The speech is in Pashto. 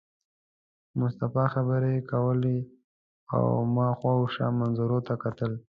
مصطفی خبرې کولې او ما شاوخوا منظرو ته کتل.